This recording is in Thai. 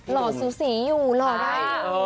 หล่อสูสีอยู่หล่อได้